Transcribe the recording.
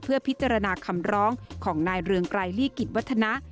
เพื่อพิจารณาคำร้องของนายเรืองไกรลี่กิจวัฒนะ